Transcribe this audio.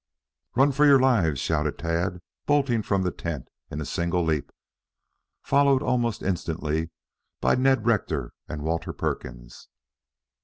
"Run for your lives!" shouted Tad, bolting from the tent in a single leap, followed almost instantly by Ned Rector and Walter Perkins.